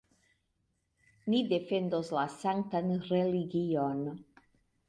Ni defendos la sanktan religion!